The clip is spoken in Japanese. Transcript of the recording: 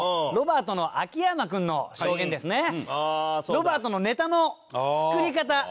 ロバートのネタの作り方